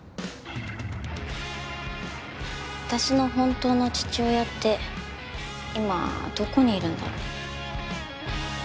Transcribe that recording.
私の本当の父親って今どこにいるんだろう？